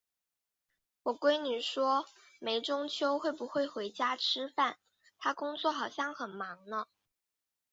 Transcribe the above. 我闺女没说中秋会不会回家吃饭，她工作好像很忙呢。